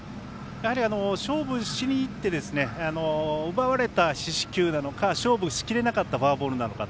勝負しにいって奪われた四死球なのか勝負し切れなかったフォアボールなのか。